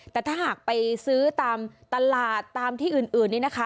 แต่ถ้าหากไปซื้อตามตลาดตามที่อื่นนี้นะคะ